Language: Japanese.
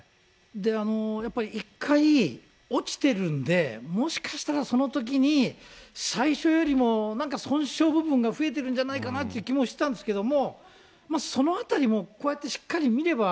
で、やっぱり一回落ちてるんで、もしかしたらそのときに最初よりも、なんか損傷部分が増えてるんじゃないかなって気もしてたんですけど、そのあたりも、こうやってしっかり見れば、